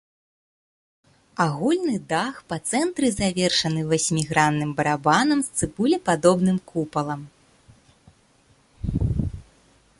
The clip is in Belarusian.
Агульны дах па цэнтры завершаны васьмігранным барабанам з цыбулепадобным купалам.